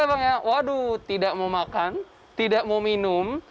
orangnya waduh tidak mau makan tidak mau minum